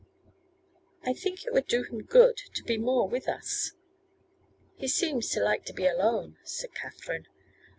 'I think it would do him good to be more with us.' 'He seems to like to be alone,' said Katherine.